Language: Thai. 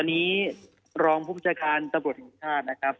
ตอนนี้รองผู้จัดการตะบลวทิศชาตินะครับ